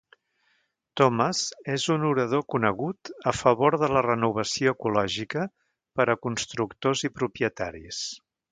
Thomas és un orador conegut a favor de la renovació ecològica per a constructors i propietaris.